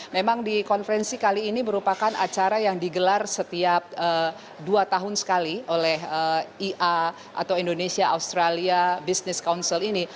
memang di konferensi kali ini merupakan acara yang digelar setiap dua tahun sekali oleh ia atau indonesia australia business council ini